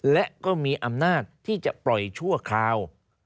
และก็มีอำนาจที่จะปล่อยชั่วคราว